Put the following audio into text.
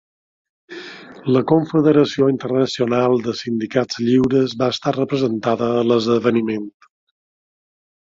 La Confederació Internacional de Sindicats Lliures va estar representada en l'esdeveniment.